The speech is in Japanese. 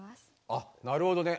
あなるほどね。